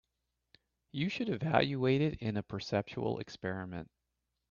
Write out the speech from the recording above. You should evaluate it in a perceptual experiment.